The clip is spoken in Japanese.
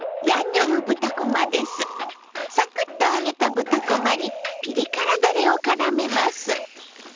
サクッと揚げた豚こまにピリ辛だれをからめます。